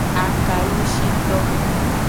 Akalushito.